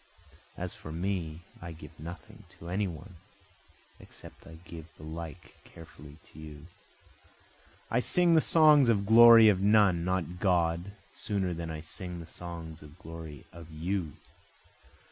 As for me, I give nothing to any one except I give the like carefully to you, I sing the songs of the glory of none, not God, sooner than I sing the songs of the glory of you.